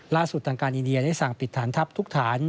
ล่าสุดทางการอินเดียได้สั่งปิดฐานทัพทุกฐาน